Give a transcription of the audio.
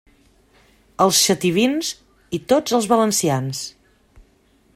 Els xativins i tots els valencians.